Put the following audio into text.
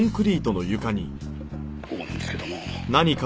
ここなんですけども。